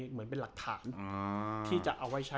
เหมือนเป็นหลักฐานที่จะเอาไว้ใช้